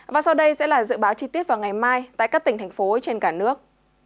và sau đây sẽ là dự báo chi tiết vào ngày mai tại các tỉnh thành phố trên cả nước